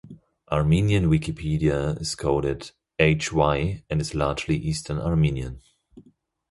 Armenian Wikipedia is coded "hy" and is largely Eastern Armenian.